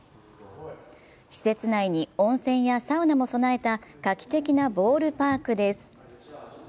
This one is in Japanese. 施設内に温泉やサウナも備えた画期的なボールパークです。